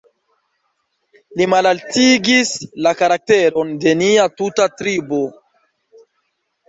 Li malaltigis la karakteron de nia tuta tribo.